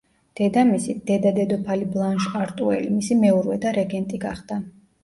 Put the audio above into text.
დედამისი, დედა-დედოფალი ბლანშ არტუელი მისი მეურვე და რეგენტი გახდა.